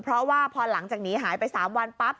เพราะว่าพอหลังจากหนีหายไป๓วันปั๊บ